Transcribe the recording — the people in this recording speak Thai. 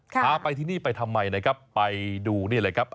พาไปที่นี่ไปทำไมนะครับไปดูนี่เลยครับ